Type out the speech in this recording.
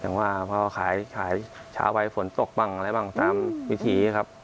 อย่างว่าพ่อขายฉาวไหวฝนตกบ้างอะไรบ้างตามวิติครับ